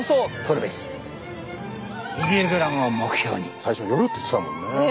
最初夜って言ってたもんね。